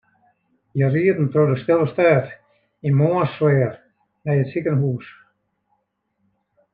Hja rieden troch de stille stêd yn moarnssfear nei it sikehûs.